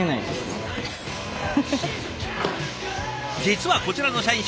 実はこちらの社員食堂